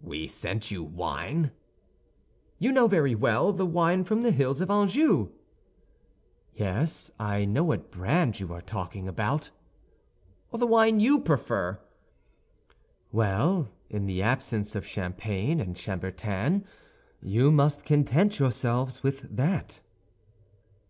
"We sent you wine?" "You know very well—the wine from the hills of Anjou." "Yes, I know what brand you are talking about." "The wine you prefer." "Well, in the absence of champagne and chambertin, you must content yourselves with that."